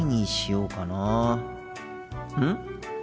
うん？